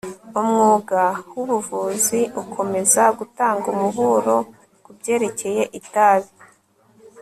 umwuga wubuvuzi ukomeza gutanga umuburo kubyerekeye itabi